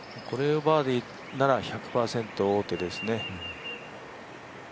これをバーディーなら１００％王手ですね。